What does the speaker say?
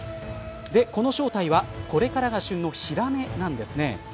この正体は、これからが旬のヒラメなんですね。